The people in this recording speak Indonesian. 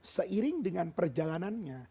seiring dengan perjalanannya